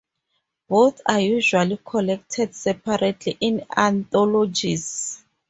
Both are usually collected separately in anthologies.